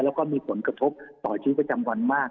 แล้วก็มีผลกระทบต่อชีวิตประจำวันมาก